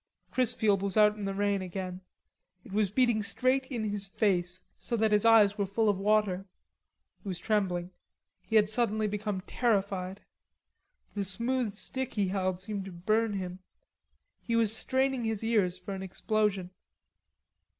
Chrisfield was out in the rain again. It was beating straight in his face, so that his eyes were full of water. He was trembling. He had suddenly become terrified. The smooth stick he held seemed to burn him. He was straining his ears for an explosion.